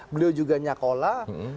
beliau juga nyakola